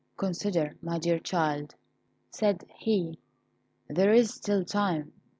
"Consider, my dear child," said he; "there is still time.